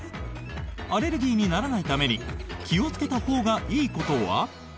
アレルギーにならないために気をつけたほうがいいことは？